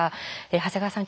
長谷川さん